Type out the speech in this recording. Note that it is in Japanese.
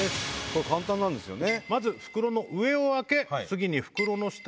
簡単なんですよね。